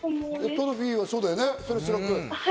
トロフィーは、そうだよね。